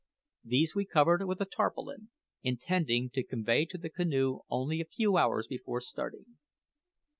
These we covered with a tarpaulin, intending to convey them to the canoe only a few hours before starting.